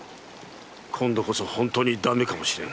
今度こそ本当に駄目かもしれぬ